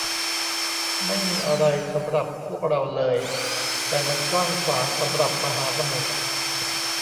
ไม่มีอะไรสำหรับพวกเราเลย แต่มันกว้างขวางสำหรับมหาสมุทร